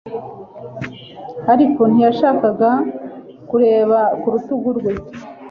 ariko ntiyashakaga kureba ku rutugu rwe